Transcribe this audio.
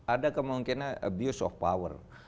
ada kemungkinan abuse of power